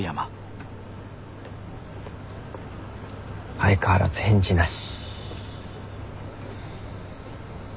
相変わらず返事なし。